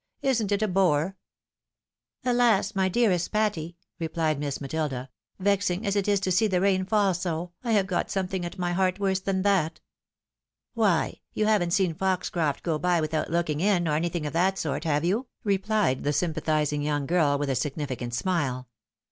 Isn't it a bore ?"" Alas ! my dearest Patty," replied Miss MatUda, " vexing as it is to see the rain fall so, I have got something at my heart worse than that." "Why, you haven't seen Foxcroft go by without looking in, or anything of that sort, have you ?" repHed the sympatlusing young girl, with a significant smile.